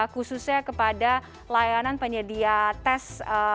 khususnya kepada layanan penyedia tes